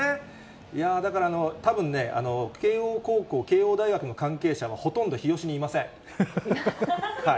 いやー、だから、慶応高校、慶応大学の関係者はほとんど日吉にいません。